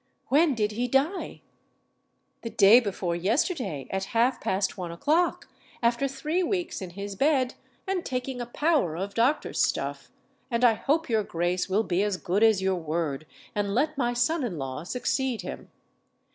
"When did he die?" "The day before yesterday, at half past one o'clock, after three weeks in his bed, and taking a power of doctor's stuff; and I hope your grace will be as good as your word, and let my son in law succeed him."